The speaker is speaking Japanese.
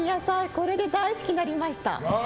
これで大好きになりました。